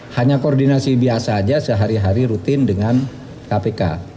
hanya koordinasi biasa aja sehari hari rutin dengan kpk